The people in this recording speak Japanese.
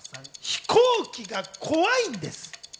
飛行機が怖いんです。